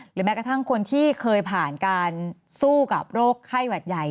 แม้กระทั่งคนที่เคยผ่านการสู้กับโรคไข้หวัดใหญ่